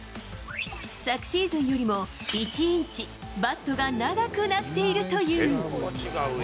昨シーズンよりも１インチ、バットが長くなっているという。